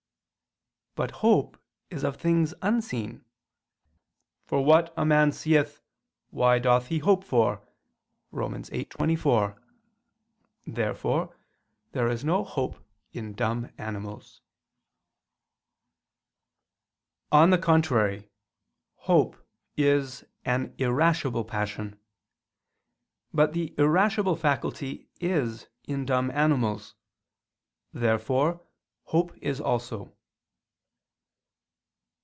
But hope is of things unseen: "for what a man seeth, why doth he hope for?" (Rom. 8:24). Therefore there is no hope in dumb animals. On the contrary, Hope is an irascible passion. But the irascible faculty is in dumb animals. Therefore hope is also.